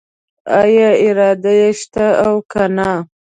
آیا اراده یې شته او کنه؟